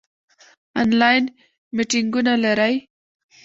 آنلاین میټینګونه لرئ؟